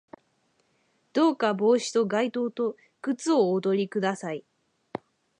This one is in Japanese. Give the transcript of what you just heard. どうか帽子と外套と靴をおとり下さい